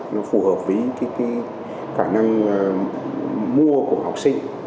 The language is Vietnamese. nó phù hợp với cái khả năng mua của học sinh